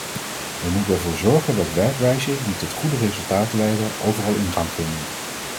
We moeten ervoor zorgen dat werkwijzen die tot goede resultaten leiden overal ingang vinden.